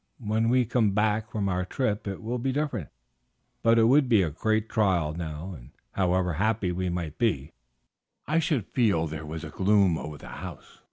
When we come back from our trip it will be different; but it would be a great trial now, and however happy we might be, I should feel there was a gloom over the house."